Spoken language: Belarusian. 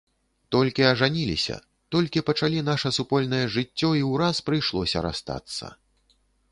Толькі ажаніліся, толькі пачалі наша супольнае жыццё і ўраз прыйшлося расстацца.